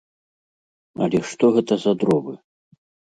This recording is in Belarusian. Але што гэта за дровы!